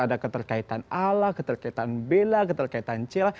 ada keterkaitan ala keterkaitan bela keterkaitan cil